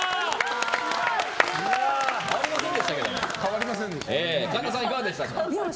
変わりませんでしたけども。